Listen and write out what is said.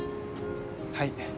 はい。